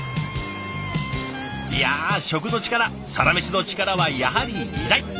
いや食の力サラメシの力はやはり偉大！